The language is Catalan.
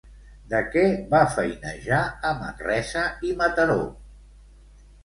De què va feinejar a Manresa i Mataró?